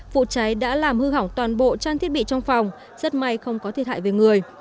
vụ cháy đã làm hư hỏng toàn bộ trang thiết bị trong phòng rất may không có thiệt hại về người